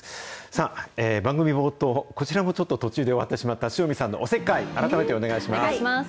さあ、番組冒頭、こちらもちょっと途中で終わってしまった、塩見さんのおせっかい、改めてお願いします。